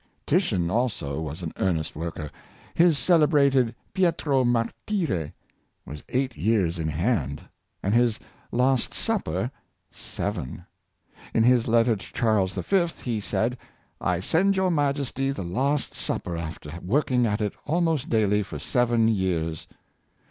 Titian, also, was an earnest worker. His celebrated " Pietro Martire " was eight years in hand, and his " Last Supper " seven. In his letter to Charles V. he said, " I send your Majesty the ' Last Supper,' after working at it almost daily for seven years.''